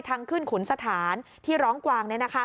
ทางขึ้นขุนสถานที่ร้องกวาง